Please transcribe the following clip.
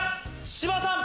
芝さん。